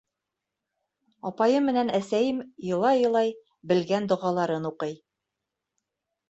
Апайым менән әсәйем илай-илай белгән доғаларын уҡый.